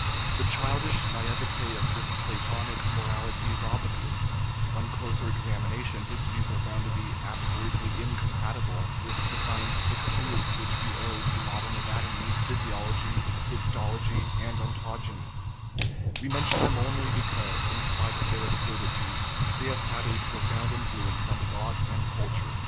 The childish naivety of this Pla tonic morality is obvious; on closer examination his views are found to be absolutely incompatible with the scientific truth which we owe to modern anatomy, physiology, histology, and ontogeny; we mention them only because, in spite of their absurdity, they 197 THE RIDDLE OF THE UNIVERSE have had a profound influence on thought and culture.